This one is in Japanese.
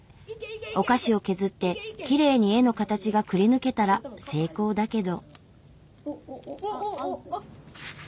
お菓子を削ってきれいに絵の形がくりぬけたら成功だけど。